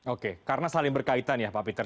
oke karena saling berkaitan ya pak peter